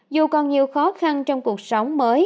dù còn nhiều khó khăn trong cuộc sống mới